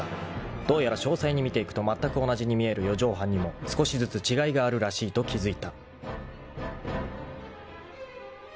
［どうやら詳細に見ていくとまったく同じに見える四畳半にも少しずつ違いがあるらしいと気付いた］